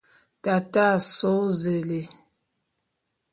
Tate a só ôséle.